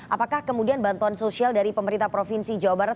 apakah kemudian bantuan sosial dari pemerintah provinsi jawa barat